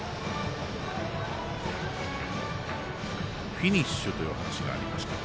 フィニッシュというお話がありました。